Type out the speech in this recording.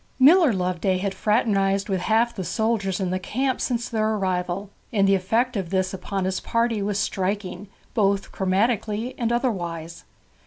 Miller Loveday had fraternized with half the soldiers in the camp since their arrival, and the effect of this upon his party was striking both chromatically and otherwise.